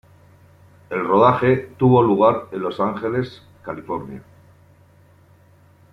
El rodaje tuvo lugar en Los Ángeles, California.